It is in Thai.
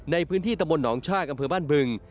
ในพื้นที่ตะบลหนองชากอำเภอบ้านบึง